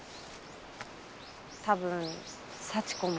多分幸子も。